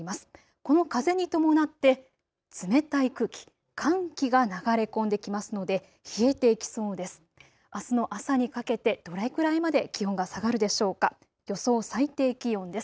この風に伴って冷たい空気、寒気が流れ込んできますので冷えていきそうです。